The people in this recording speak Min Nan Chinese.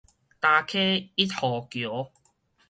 礁坑一號橋